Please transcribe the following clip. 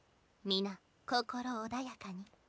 皆心を穏やかに。